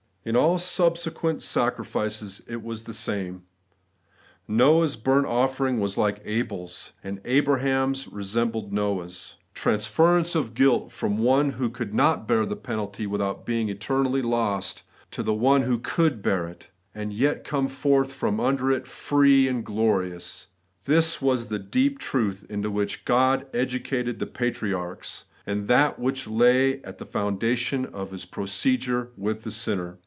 In all subsequent sacri fices it was the same. Noah's burnt offering was like Abel's ; and Abraham's resembled Noah's. Trans ference of guilt from one who could not bear the penalty without being eternally lost, to One who could bear it, and yet come forth from under it, free and glorious, — ^this was the deep truth into which God educated the patriarchs, as that which lay at the foundation of His procedure with the sinner.